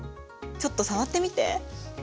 ちょっと触ってみて。